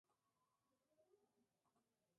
El Guanajuato comenzó la carrera de Derecho.